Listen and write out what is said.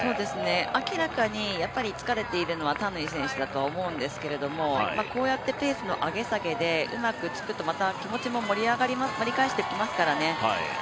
明らかに疲れているのはタヌイ選手だと思うんですけどもこうやってペースの上げ下げでうまくつくとまた気持ちも盛り返してきますからね。